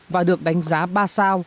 và được đánh giá ba sao